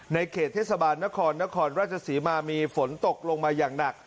เขตเทศบาลนครนครราชศรีมามีฝนตกลงมาอย่างหนัก